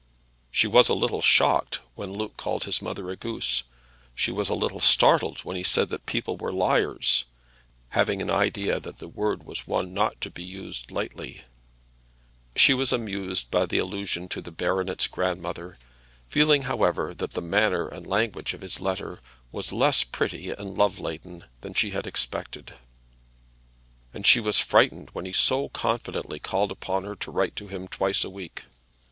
She was a little shocked when Luke called his mother a goose; she was a little startled when he said that people were "liars," having an idea that the word was one not to be lightly used; she was amused by the allusion to the baronet's grandmother, feeling, however, that the manner and language of his letter was less pretty and love laden than she had expected; and she was frightened when he so confidently called upon her to write to him twice a week.